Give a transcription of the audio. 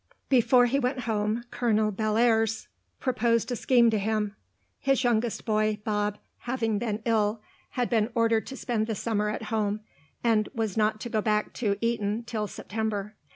Before he went home, Colonel Bellairs proposed a scheme to him. His youngest boy, Bob, having been ill, had been ordered to spend the summer at home, and was not to go back to Eton till September.